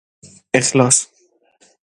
اِخلاص